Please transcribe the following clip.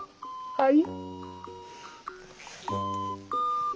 はい。